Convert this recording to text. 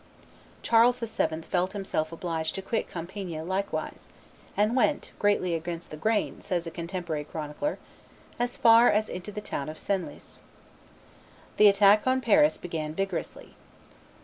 Charles VII. felt himself obliged to quit Compiegne likewise, "and went, greatly against the grain," says a contemporary chronicler, "as far as into the town of Senlis." The attack on Paris began vigorously.